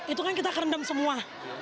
itu kan kita kerendam semua